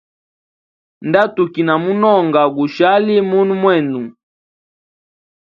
Nda tukina munonga gushali munwe mwenu.